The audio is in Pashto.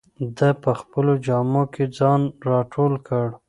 ده په خپلو جامو کې ځان راټول کړ.